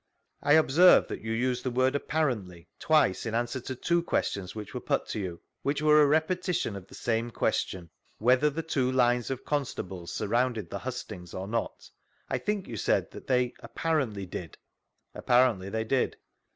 I observe that you use the word " apparendy '* twice, in answer to two questions which were put to you, which were a repetition of the same question — whether the two lines of constables sax rounded the hustings or not; I think you said they " apparently " did ?— Aiq>arently they did.